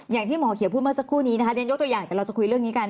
อย่างที่หมอเขียวพูดมาสักครู่นี้โยกตัวอย่างเราจะคุยเรื่องนี้กัน